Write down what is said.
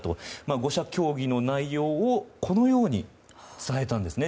５者協議の内容をこのように伝えたんですね